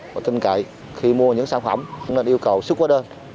và tin cậy khi mua những sản phẩm nên yêu cầu xuất quá đơn